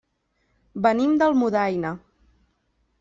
Venim d'Almudaina.